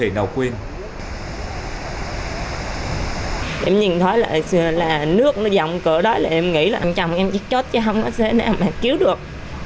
em nhìn thấy là nước nó dòng cửa đó là em nghĩ là chồng em chết chốt chứ không có thế nào mà cứu được